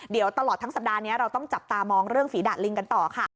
เดี๋ยวตลอดทั้งสัปดาห์นี้เราต้องจับตามองเรื่องฝีดาดลิงกันต่อค่ะ